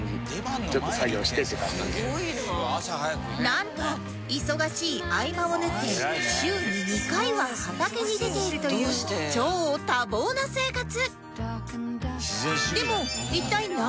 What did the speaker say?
なんと忙しい合間を縫って週に２回は畑に出ているという超多忙な生活